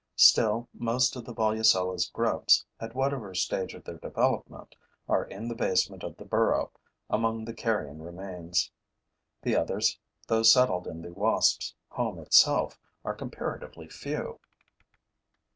Still, most of the Volucella's grubs, at whatever stage of their development, are in the basement of the burrow, among the carrion remains. The others, those settled in the wasps' home itself, are comparatively few.